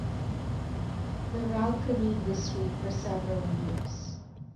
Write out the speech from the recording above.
The route remained this way for several years.